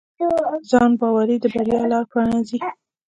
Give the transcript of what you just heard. ځانباوري د بریا لاره پرانیزي.